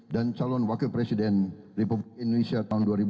dan calon wakil presiden republik indonesia tahun dua ribu sembilan belas